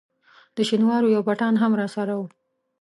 د شینوارو یو پټان هم راسره وو.